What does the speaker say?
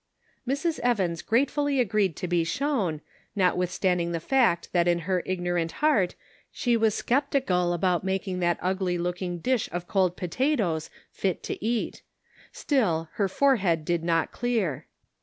Mrs. Evans gratefully agreed to be shown, not withstau ding the fact that in her ignorant heart she was skeptical about making that ugly looking dish of cold potatoes fit to eat; still her forehead did not clear.